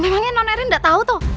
memangnya non erin nggak tahu toh